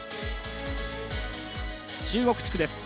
中国地区です。